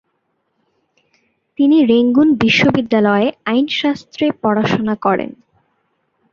তিনি রেঙ্গুন বিশ্ববিদ্যালয়ে আইনশাস্ত্রে পড়াশোনা করেন।